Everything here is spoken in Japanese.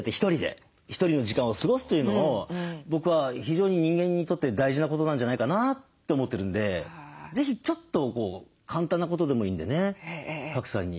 ひとりの時間を過ごすというのを僕は非常に人間にとって大事なことなんじゃないかなって思ってるんで是非ちょっと簡単なことでもいいんでね賀来さんに勧めたいですね。